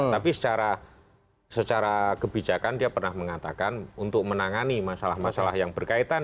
tapi secara kebijakan dia pernah mengatakan untuk menangani masalah masalah yang berkaitan